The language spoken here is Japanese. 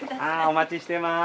お待ちしてます。